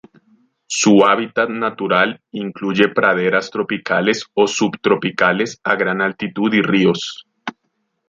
Su hábitat natural incluye praderas tropicales o subtropicales a gran altitud y ríos.